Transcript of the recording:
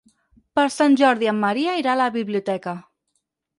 Per Sant Jordi en Maria irà a la biblioteca.